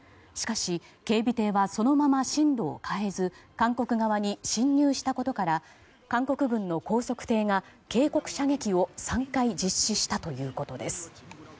しかし警備艇はそのまま進路を変えず韓国側に侵入したことから韓国軍の高速艇が警告射撃を３回実施したということです。